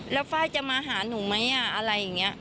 แล้วฟ้ายจะมาหาหนูไหมอ่ะอะไรอย่างเงี้ย